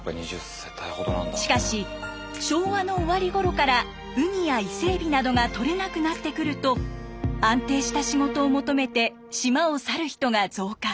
しかし昭和の終わりごろからウニやイセエビなどが取れなくなってくると安定した仕事を求めて島を去る人が増加。